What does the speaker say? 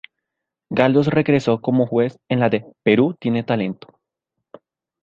Galdós regresó como juez en la de "Perú Tiene Talento".